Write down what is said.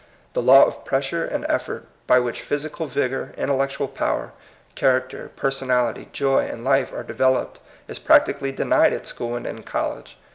The law of pres sure and eflfort by which physical vigor, intellectual power, character, personality, joy, and life are developed is practically denied at school and in college.